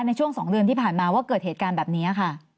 ในช่วง๒เดือนที่ผ่านมาว่าเกิดเหตุการณ์แบบนี้ค่ะ